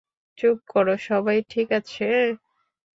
চুপ করো সবাই, ঠিক আছে?